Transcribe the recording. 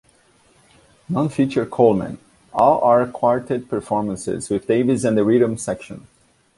None feature Coleman; all are quartet performances with Davis and the rhythm section.